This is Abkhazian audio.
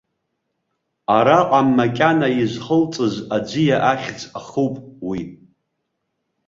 Араҟа макьана изхылҵыз аӡиа ахьӡ ахуп уи.